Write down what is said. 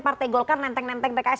partai golkar nenteng nenteng pks